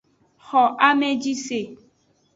Xo ameji se.